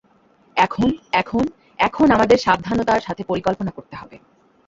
এখন, এখন, এখন আমাদের সাবধানতার সাথে পরিকল্পনা করতে হবে।